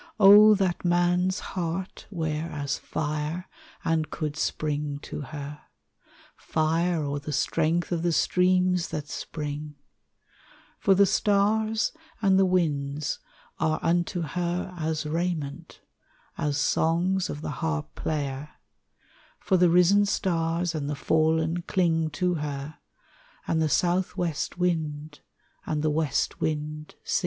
that man's heart were as fire and could spring to her, Fire, or the strength of the streams that spring ! For the stars and the winds are unto her As raiment, as songs of the harp player; For the risen stars and the fallen cling to her, And the southwest wind and the west wind sing.